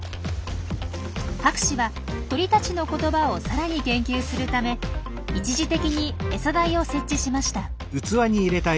博士は鳥たちの言葉をさらに研究するため一時的にエサ台を設置しました。